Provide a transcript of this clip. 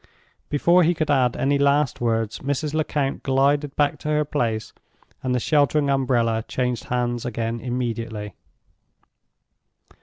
Before he could add any last words, Mrs. Lecount glided back to her place, and the sheltering umbrella changed hands again immediately.